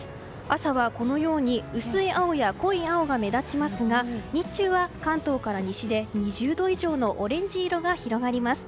朝は薄い青や濃い青が目立ちますが日中は関東から西で２０度以上のオレンジ色が広がります。